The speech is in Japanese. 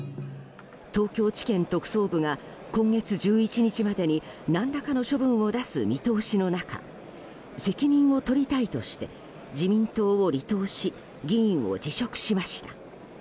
東京地検特捜部が今月１１日までに何らかの処分を出す見通しの中責任を取りたいとして自民党を離党し議員を辞職しました。